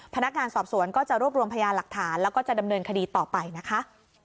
พนักงานสอบสวนก็จะรวบรวมพยานหลักฐานแล้วก็จะดำเนินคดีต่อไปนะคะ